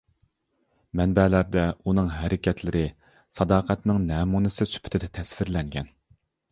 مەنبەلەردە ئۇنىڭ ھەرىكەتلىرى ساداقەتنىڭ نەمۇنىسى سۈپىتىدە تەسۋىرلەنگەن.